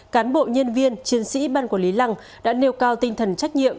cán bộ nhân viên chiến sĩ ban quản lý lăng đã nêu cao tinh thần trách nhiệm